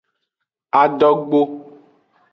Adogbo.